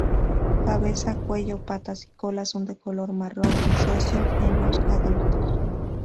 Cabeza, cuello, patas y cola son de color marrón grisáceo en los adultos.